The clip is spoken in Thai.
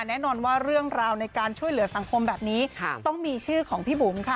แน่นอนว่าเรื่องราวในการช่วยเหลือสังคมแบบนี้ต้องมีชื่อของพี่บุ๋มค่ะ